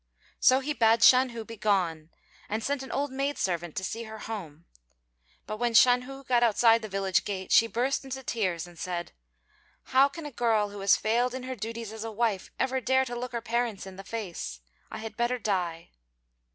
So he bade Shan hu begone, and sent an old maid servant to see her home: but when Shan hu got outside the village gate, she burst into tears, and said, "How can a girl who has failed in her duties as a wife ever dare to look her parents in the face? I had better die."